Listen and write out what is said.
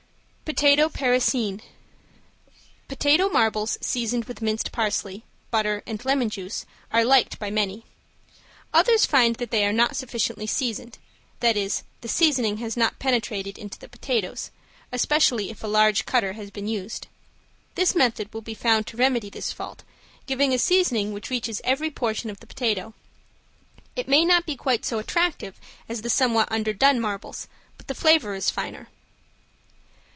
~POTATO PARISIENNE~ Potato marbles seasoned with minced parsley, butter and lemon juice are liked by many. Others find that they are not sufficiently seasoned, that is, the seasoning has not penetrated into the potatoes, especially if a large cutter has been used. This method will be found to remedy this fault, giving a seasoning which reaches every portion of the potato. It may not be quite so attractive as the somewhat underdone marbles, but the flavor is finer.